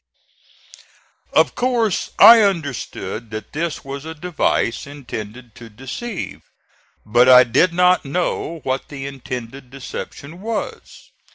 Of course, I understood that this was a device intended to deceive; but I did not know what the intended deception was.